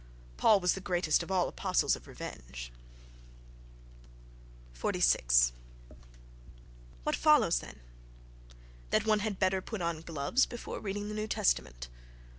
Paul was the greatest of all apostles of revenge.... Verses 20, 21, 26, 27, 28, 29. 46. —What follows, then? That one had better put on gloves before reading the New Testament.